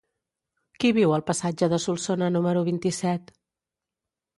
Qui viu al passatge de Solsona número vint-i-set?